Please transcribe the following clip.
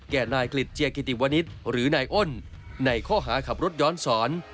นายกฤษเจียกิติวนิษฐ์หรือนายอ้นในข้อหาขับรถย้อนสอน